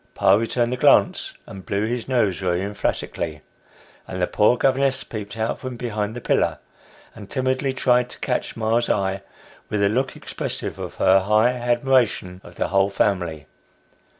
Pa returned the glance, and blew his nose very emphatically ; and the poor governess peeped out from behind the pillar, and timidly tried to catch ma's eye, with a look expressive of her high admiration of the whole family.